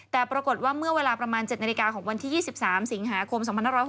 แต่ปรากฏว่าเมื่อเวลาประมาณ๗นาฬิกาของวันที่๒๓สิงหาคม๒๕๖๖